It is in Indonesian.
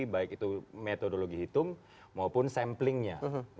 baik itu metodologi hitung maupun samplingnya